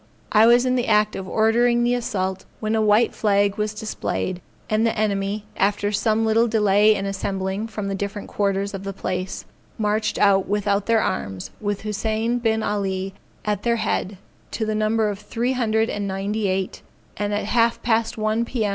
I was in the act of ordering the assault, when a white flag was displayed; and the enemy, after some little delay in assembling from the different quarters of the place, marched out without their arms, with Hussein Bin Alley at their head, to the number of three hundred and ninety eight; and at half past one P.M.